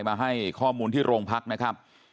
มาให้ข้อมูลที่โรงพักนะครับ